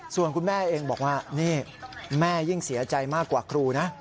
ส่วนคุณแม่เองบอกว่านี่แม่ยิ่งเสียใจมากกว่าครูนะ